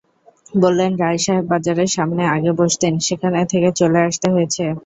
বললেন, রায়সাহেব বাজারের সামনে আগে বসতেন, সেখান থেকে চলে আসতে হয়েছে।